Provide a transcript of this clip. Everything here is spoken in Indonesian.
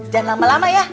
jangan lama lama ya